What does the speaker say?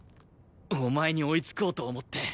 お前に追いつこうと思って。